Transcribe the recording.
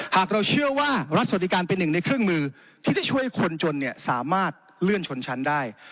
หากเราเชื่อว่ารัฐสวัสดิการเป็นหนึ่งในเครื่องมือที่จะช่วยคนจนสามารถเลื่อนชนชั้นได้